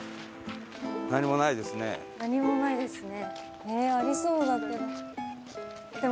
何もないですね。